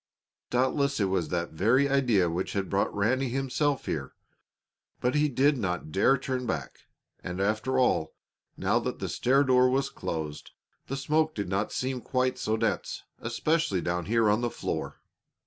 Doubtless it was that very idea which had brought Ranny himself here. But he did not dare turn back, and after all, now that the stair door was closed, the smoke did not seem quite so dense, especially down here on the floor.